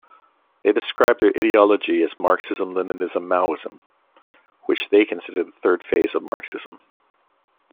They describe their ideology as "Marxism-Leninism-Maoism" which they consider the third phase of Marxism.